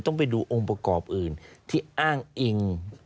ต้องไปดูองค์ประกอบอื่นที่อ้างอิง